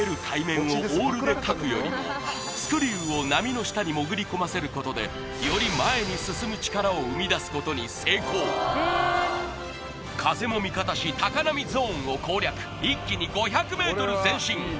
海面をオールでかくよりもスクリューを波の下に潜り込ませることでより前に進む力を生み出すことに成功風も味方し高波ゾーンを攻略一気に５００ｍ前進